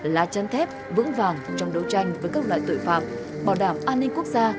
lá chân thép vững vàng trong đấu tranh với các loại tội phạm bảo đảm an ninh quốc gia